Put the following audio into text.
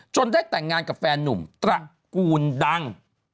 ได้แต่งงานกับแฟนนุ่มตระกูลดัง